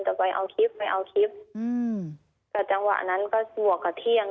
จะไปเอาคิปไปเอาคิปอือแต่จังหวะนั้นก็บวกกับเที่ยง